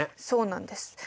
そうなんです。